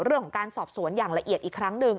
เรื่องของการสอบสวนอย่างละเอียดอีกครั้งหนึ่ง